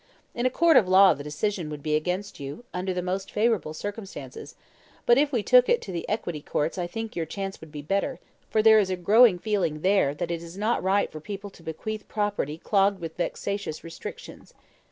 In a court of law the decision would be against you, under the most favourable circumstances; but if we took it to the Equity Courts I think your chance would be better, for there is a growing feeling there that it is not right for people to bequeath property clogged with vexatious restrictions.